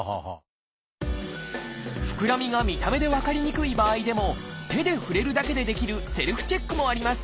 ふくらみが見た目で分かりにくい場合でも手で触れるだけでできるセルフチェックもあります。